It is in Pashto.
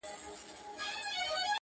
ويل دغي ژبي زه يم غولولى؛